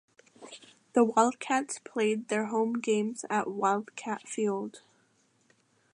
The Wildcats played their home games at Wildcat Field.